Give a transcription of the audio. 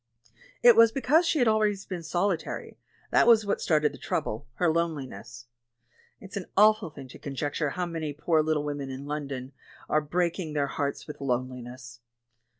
It was because she had always been solitary; that was what started the trouble — her loneliness. It's an awful thing to conjecture how many poor little women in Lon don are breaking their hearts with lonehness.